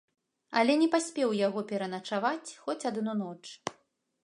Але не паспеў у яго пераначаваць хоць адну ноч.